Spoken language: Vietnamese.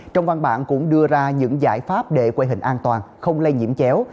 trong văn bản cũng đưa ra những giải pháp để quê hình an toàn không lây nhiễm chéo